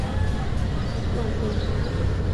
旺特伊。